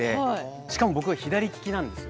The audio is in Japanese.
しかも僕は左利きなんです。